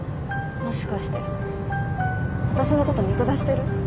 もしかして私のこと見下してる？